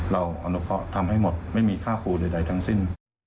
อนุเคราะห์ทำให้หมดไม่มีค่าครูใดทั้งสิ้น